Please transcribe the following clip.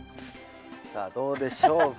さあどうでしょうか。